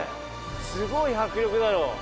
すごい迫力だろ。